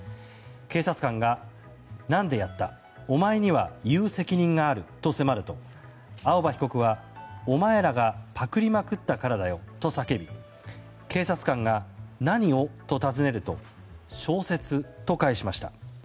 警察官が、何でやったお前には言う責任があると迫ると青葉被告は、お前らがパクりまくったからだよと叫び警察官が、何をと尋ねると小説と返しました。